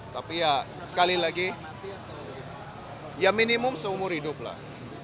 tapi ya sekali lagi ya minimum seumur hidup lah